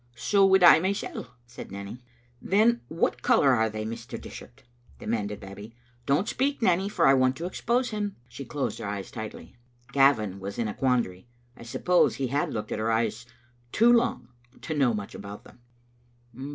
"So would I mysel'," said Nanny. " Then what colour are they, Mr. Dishart?" demanded Babbie. " Don't speak, Nanny, for I want to expose him." She closed her eyes tightly. Gavin was in a quan dary. I suppose he had looked at her eyes too long to know much about them.